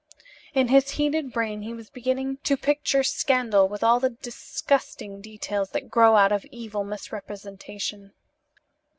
In his heated brain he was beginning to picture scandal with all the disgusting details that grow out of evil misrepresentation.